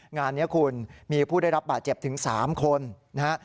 งานนี้คุณมีผู้ได้รับบาดเจ็บถึง๓คนนะฮะ